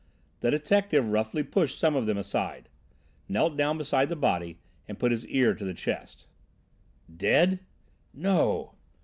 The detective roughly pushed some of them aside, knelt down beside the body and put his ear to the chest. "Dead? No!"